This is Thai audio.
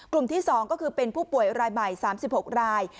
ที่๒ก็คือเป็นผู้ป่วยรายใหม่๓๖ราย